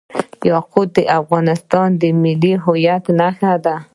یاقوت د افغانستان د ملي هویت نښه ده.